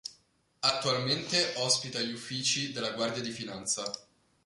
Attualmente ospita gli uffici della Guardia di Finanza.